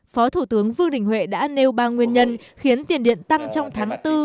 phó thủ tướng vương đình huệ đã nêu ba nguyên nhân khiến tiền điện tăng trong tháng bốn